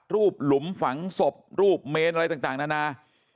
หลุมฝังศพรูปเมนอะไรต่างนานา